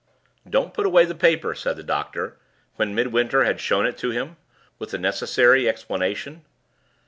"Don't put away the paper," said the doctor, when Midwinter had shown it to him, with the necessary explanation.